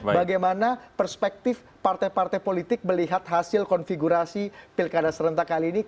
bagaimana perspektif partai partai politik melihat hasil konfigurasi pilkada serentak kali ini